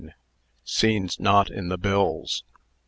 SCENES NOT IN THE BILLS.